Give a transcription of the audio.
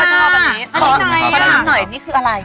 ขนาดหนึ่งหน่อย